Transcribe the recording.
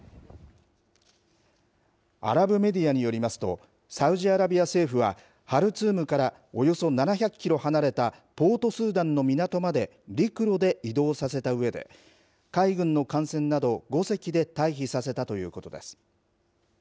アラブメディアによりますと、サウジアラビア政府はハルツームからおよそ７００キロ離れたポートスーダンの港まで陸路で移動させたうえで、海軍の艦船など５隻で退避させたということです。